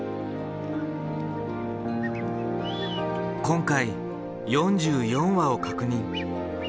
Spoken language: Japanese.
今回４４羽を確認。